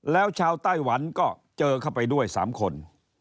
แล้วชาวไต้หวันก็เจอเข้าไปด้วย๓คน